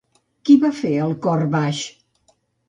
Qui va fer El cor baix?